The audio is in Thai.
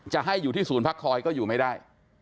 จะให้อยู่ที่ศูนย์พักคอยก็อยู่ไม่ได้